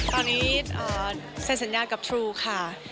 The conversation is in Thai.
ตอนนี้เซ็นสัญญากับครูค่ะ